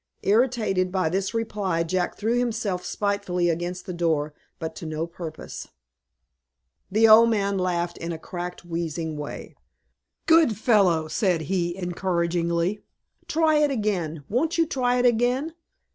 Irritated by this reply, Jack threw himself spitefully against the door, but to no purpose. The old man laughed in a cracked, wheezing way. "Good fellow!" said he, encouragingly, "try it again! Won't you try it again?